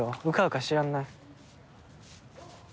うかうかしてらんない。